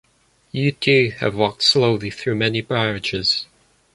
You too have walked slowly through many barrages.